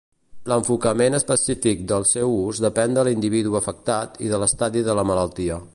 L'enfocament específic del seu ús depèn de l'individu afectat i de l'estadi de la malaltia.